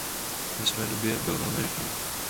Ve své době byl velmi rychlý.